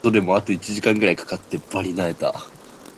The latter deserves special mention.